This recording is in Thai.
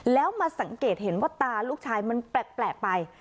แล้วมาสังเกตเห็นว่าตาลูกชายมันแปลกไป